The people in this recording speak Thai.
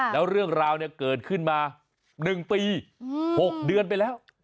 แล้วเรื่องราวเกิดขึ้นมา๑ปี๖เดือนไปแล้ว